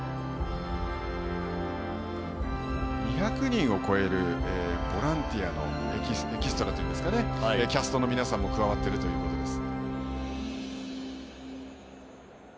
２００人を超えるボランティアがエキストラというかキャストの皆さんも加わっているということです。